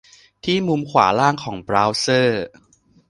ที่มุมขวาล่างของเบราว์เซอร์